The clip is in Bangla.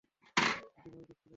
ডিমই দিচ্ছিল না।